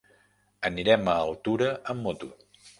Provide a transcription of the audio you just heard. Anirem a Altura amb moto.